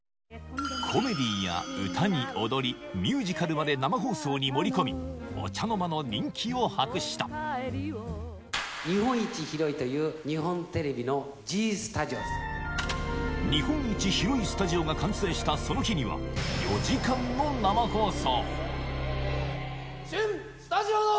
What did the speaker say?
コメディーや歌に踊り、ミュージカルまで、生放送に盛り日本一広いという、日本一広いスタジオが完成したその日には、４時間の生放送。